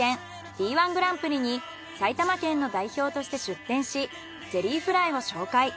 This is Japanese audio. Ｂ−１グランプリに埼玉県の代表として出展しゼリーフライを紹介